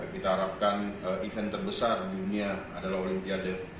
kita harapkan event terbesar di dunia adalah olimpiade